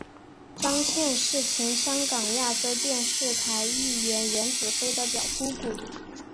张茜是前香港亚洲电视艺员颜子菲的表姑姑。